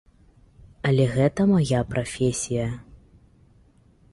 Але гэта мая прафесія.